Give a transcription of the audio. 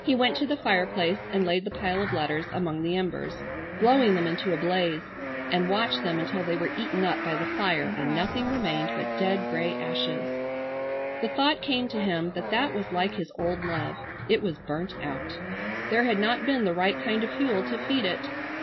He went to the fireplace and laid the pile of letters among the embers, blowing them into a blaze, and watched them until they were eaten up by the fire and nothing remained but dead grey ashes. The thought came to him that that was like his old love. It was burnt out. There had not been the right kind of fuel to feed it.